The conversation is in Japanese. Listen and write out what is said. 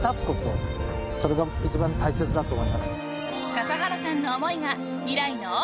［笠原さんの思いが未来の大きな力に］